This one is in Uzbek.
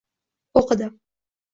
O'qidim.